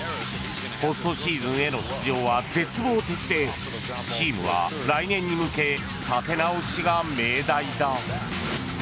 ポストシーズンへの出場は絶望的でチームは来年に向け立て直しが命題だ。